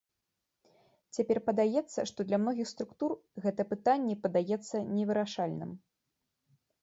Цяпер падаецца, што для многіх структур гэта пытанне падаецца невырашальным.